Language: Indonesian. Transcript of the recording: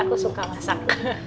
aku suka masak